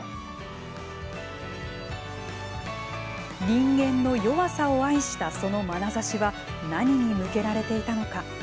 人間の弱さを愛したそのまなざしは何に向けられていたのか。